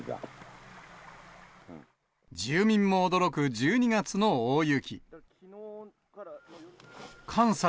住民も驚く１２月の大雪。